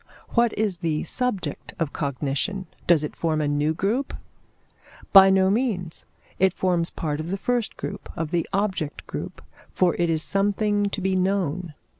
What is the subject of cognition? Does it form a new group? By no means; it forms part of the first group, of the object group; for it is something to be known.